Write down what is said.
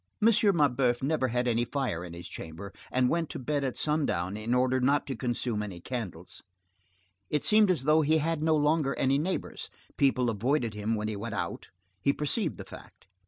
Mabeuf never had any fire in his chamber, and went to bed at sundown, in order not to consume any candles. It seemed as though he had no longer any neighbors: people avoided him when he went out; he perceived the fact.